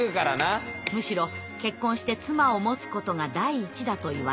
むしろ結婚して妻を持つことが第一だといわれました。